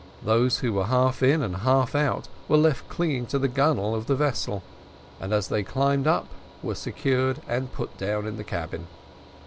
Those who were half in and half out were left clinging to the gunwale of the vessel, and as they climbed up were secured and put down in the cabin.